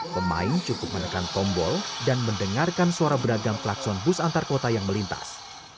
pemain cukup menekan tombol dan mendengarkan suara beragam klakson bus antar kota yang melintas